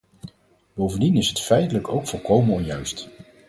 Bovendien is het feitelijk ook volkomen onjuist.